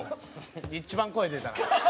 一番声出たな。